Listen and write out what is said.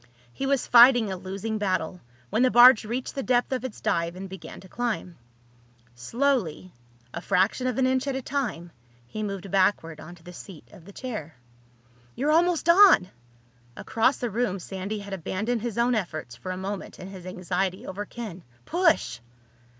He was fighting a losing battle when the barge reached the depth of its dive and began to climb. Slowly, a fraction of an inch at a time, he moved backward onto the seat of the chair. "You're almost on!" Across the room Sandy had abandoned his own efforts for a moment in his anxiety over Ken. "Push!"